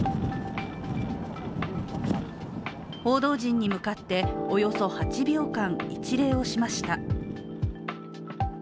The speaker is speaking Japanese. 報道陣に向かっておよそ８秒間一礼をしました。